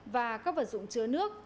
và các vật dụng chứa nước